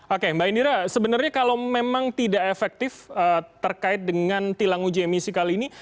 oke mbak indira sebenarnya kalau memang tidak efektif terkait dengan tilang uji emisi kali ini